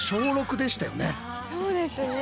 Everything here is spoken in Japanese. そうですね。